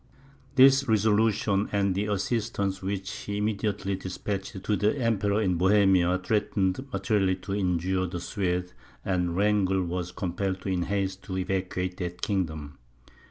This resolution, and the assistance which he immediately despatched to the Emperor in Bohemia, threatened materially to injure the Swedes, and Wrangel was compelled in haste to evacuate that kingdom.